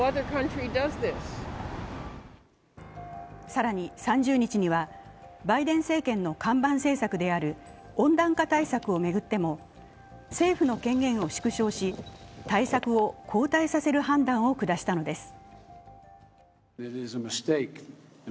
更に３０日にはバイデン政権の看板政策である温暖化対策を巡っても政府の権限を縮小し対策を後退させる判断を下したのです。